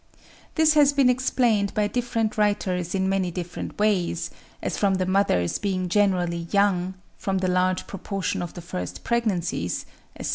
This has been explained by different writers in many different ways, as from the mothers being generally young, from the large proportion of first pregnancies, etc.